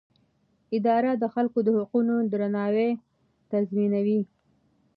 اداره د خلکو د حقونو درناوی تضمینوي.